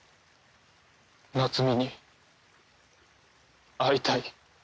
夏美に会いたい。